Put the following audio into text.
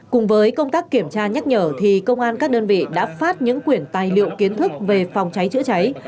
cùng với công tác kiểm tra nhắc nhở thì công an các đơn vị đã phát những quyển tài liệu kiến thức về phòng cháy chữa cháy